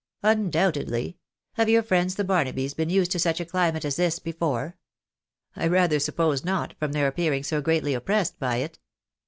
" Undoubtedly. Have your friends the Barnabys been used to such a climate as this before ? I rather suppose not, from their appearing so greatly oppressed by it."